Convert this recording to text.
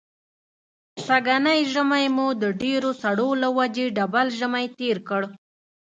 سږنی ژمی مو د ډېرو سړو له وجې ډبل ژمی تېر کړ.